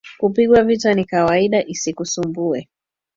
Kupigwa vita ni kawaida isikusumbue